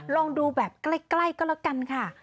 ลองดูแบบใกล้ก็แล้วกันค่ะ